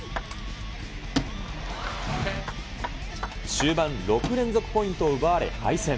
終盤、６連続ポイントを奪われ敗戦。